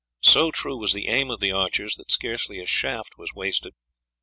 So true was the aim of the archers that scarce a shaft was wasted.